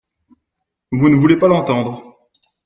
Vous ne voulez pas l’entendre.